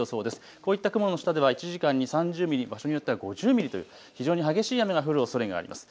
こういった雲の下では１時間に３０ミリ、場所によっては５０ミリという非常に激しい雨が降るおそれがあります。